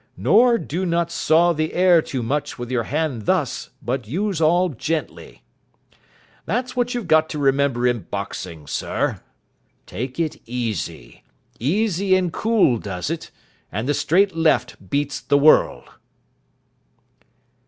'Nor do not saw the air too much, with your hand, thus, but use all gently.' That's what you've got to remember in boxing, sir. Take it easy. Easy and cool does it, and the straight left beats the world."